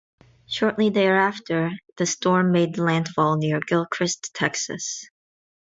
Shortly thereafter, the storm made landfall near Gilchrist, Texas.